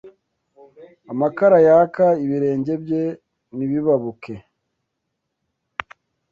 amakara yaka ibirenge bye ntibibabuke?